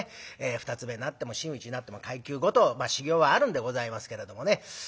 二つ目になっても真打になっても階級ごと修業はあるんでございますけれどもね。